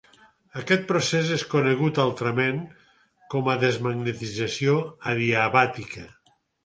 Aquest procés és conegut altrament com a desmagnetització adiabàtica.